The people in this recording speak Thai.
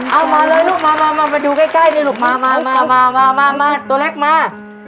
เอามาเลยลูกมามาดูใกล้มาตัวแรกมา